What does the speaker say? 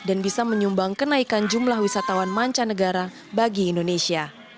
dan bisa menyumbang kenaikan jumlah wisatawan mancanegara bagi indonesia